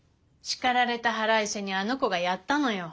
叱られた腹いせにあの子がやったのよ。